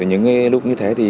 những lúc như thế